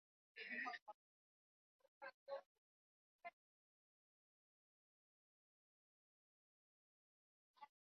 kikwete alipata ushindi wa asilimia themanini